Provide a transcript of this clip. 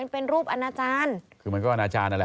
เป็นรูปอาญาจารย์